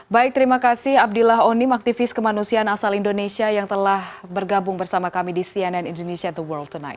baik terima kasih abdillah onim aktivis kemanusiaan asal indonesia yang telah bergabung bersama kami di cnn indonesia the world tonight